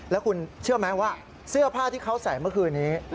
แล้วคุณเชื่อไหมว่าเสื้อผ้าที่เขาใส่เมื่อคืนนี้